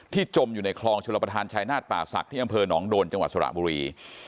จมอยู่ในคลองชลประธานชายนาฏป่าศักดิ์ที่อำเภอหนองโดนจังหวัดสระบุรี